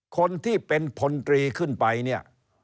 คนที่เป็นผลตรีขึ้นไป